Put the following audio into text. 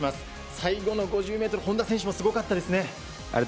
最後の５０ｍ本多選手もすごかったですね。